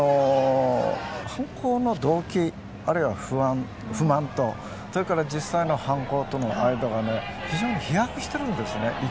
犯行の動機、あるいは不満と実際の犯行との間が非常に飛躍しているんです。